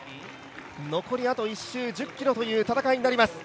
残りあと１周１０ｋｍという戦いになります。